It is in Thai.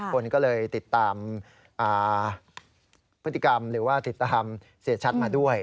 คนก็เลยติดตามพฤติกรรมหรือว่าติดตามเสียชัดมาด้วย